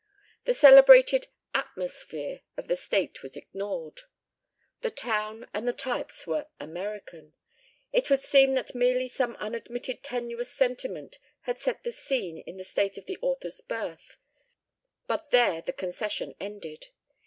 The celebrated "atmosphere" of the state was ignored. The town and the types were "American"; it would seem that merely some unadmitted tenuous sentiment had set the scene in the state of the author's birth, but there the concession ended.